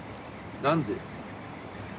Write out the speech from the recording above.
何で。